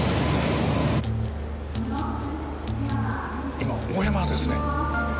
今大山がですね